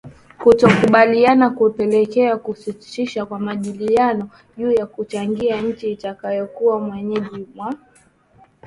Kutokukubaliana kulipelekea kusitishwa kwa majadiliano juu ya kuchagua nchi itakayokuwa mwenyeji wa Jumuiya ya Afrika mashariki